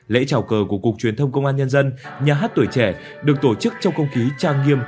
lễ trào cờ của cục truyền thông công an nhân dân nhà hát tuổi trẻ được tổ chức trong không khí trang nghiêm